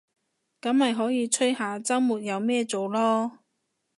噉咪可以吹下週末有咩做囉